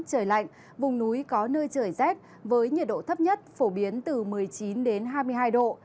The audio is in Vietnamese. trời lạnh vùng núi có nơi trời rét với nhiệt độ thấp nhất phổ biến từ một mươi chín hai mươi hai độ